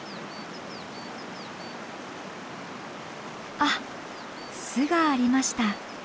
あっ巣がありました。